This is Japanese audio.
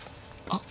あっ。